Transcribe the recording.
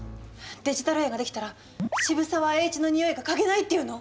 デジタル円ができたら渋沢栄一の匂いが嗅げないっていうの？